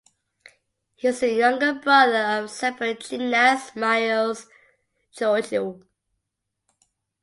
He is the younger brother of Cypriot gymnast Marios Georgiou.